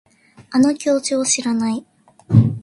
あの教授を知らない